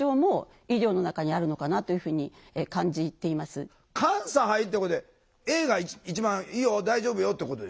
確かに監査入ってこれａが一番いいよ大丈夫よってことでしょ？